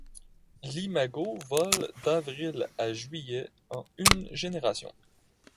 L'imago vole d'avril à juillet en une génération.